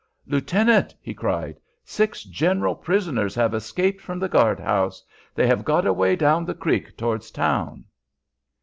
"Lieutenant," he cried, "six general prisoners have escaped from the guard house. They have got away down the creek towards town."